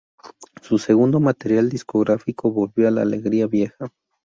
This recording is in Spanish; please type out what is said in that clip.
Su segundo material discográfico, "Volvió la alegría, vieja!